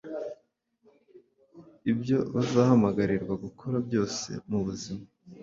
ibyo bazahamagarirwa gukora byose mu buzima,